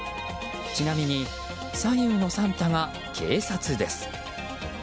ちなみに左右のサンタが警察です。